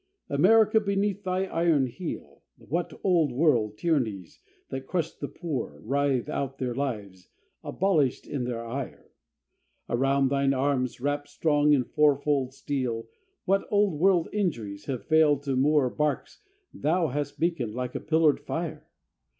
America, beneath thy iron heel What Old World tyrannies, that crushed the poor, Writhe out their lives, abolished in their ire! Around thine arms, wrapped strong in fourfold steel, What Old World injuries have failed to moor Barques thou hast beaconed like a pillared fire!